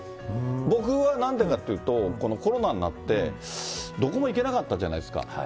僕は、なんでかっていうと、このコロナになって、どこも行けなかったじゃないですか。